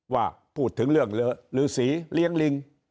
ว่าพูดถึงเรื่องฤษีเลี้ยงลิง